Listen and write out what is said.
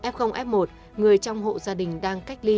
f f một người trong hộ gia đình đang cách ly